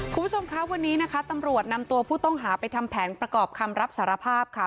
คุณผู้ชมคะวันนี้นะคะตำรวจนำตัวผู้ต้องหาไปทำแผนประกอบคำรับสารภาพค่ะ